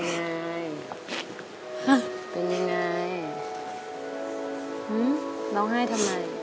ไม่มีอะไรให้ทำไม